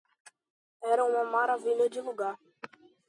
Era uma maravilha de lugar.